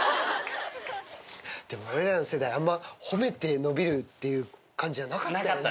でも、俺らの世代、あんま、褒めて伸びるっていう感じじゃなかったよね。